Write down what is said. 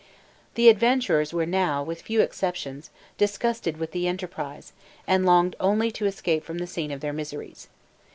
The adventurers were now, with few exceptions, disgusted with the enterprise, and longed only to escape from the scene of their miseries.